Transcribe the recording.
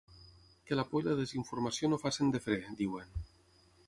Que la por i la desinformació no facin de fre, diuen.